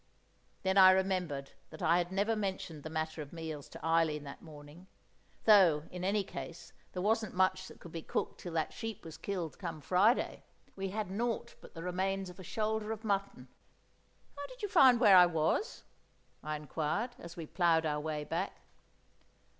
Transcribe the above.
Then I remembered that I had never mentioned the matter of meals to Eileen that morning; though, in any case, there wasn't much that could be cooked till that sheep was killed, come Friday: we had naught but the remains of a shoulder of mutton. "How did you find where I was?" I enquired, as we ploughed our way back.